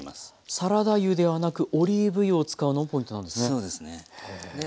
サラダ油ではなくオリーブ油を使うのもポイントなんですね。